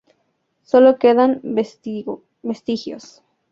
Sólo quedan vestigios.